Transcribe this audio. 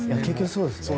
そうですよね。